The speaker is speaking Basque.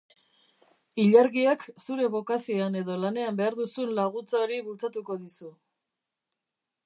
Ilargiak zure bokazioan edo lanean behar duzun laguntza hori bultzatuko dizu.